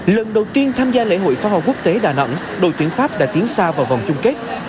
lần đầu tiên tham gia lễ hội phá hoa quốc tế đà nẵng đội tuyển pháp đã tiến xa vào vòng chung kết